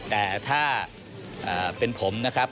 แต่ถ้าเป็นผมนะครับ